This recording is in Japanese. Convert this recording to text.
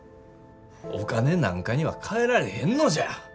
お金なんかにはかえられへんのじゃ。